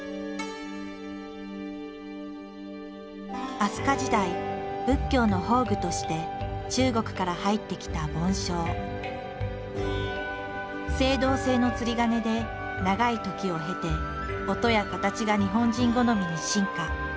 飛鳥時代仏教の法具として中国から入ってきた青銅製の釣り鐘で長い時を経て音や形が日本人好みに進化。